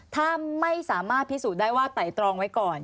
ถ้าไม่สามารถพิสูจน์ได้ว่าไต่ตรองไว้ก่อน